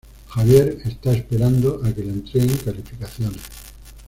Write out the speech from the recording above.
Xavier está esperando a que le entreguen calificaciones.